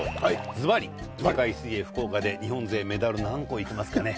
ズバリ世界水泳福岡で日本勢メダル何個いきますかね？